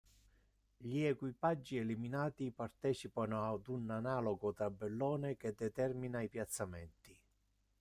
Gli equipaggi eliminati partecipano ad un analogo tabellone che determina i piazzamenti.